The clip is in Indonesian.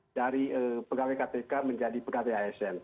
dari pegawai kpk menjadi pegawai asn